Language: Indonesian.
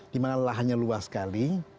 di mana lahannya luas sekali